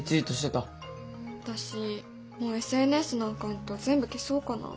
私もうＳＮＳのアカウント全部消そうかな。